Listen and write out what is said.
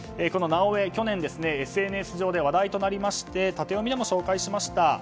なおエ、去年ＳＮＳ上で話題となりましてタテヨミでも紹介しました。